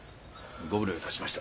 ご無礼をいたしました。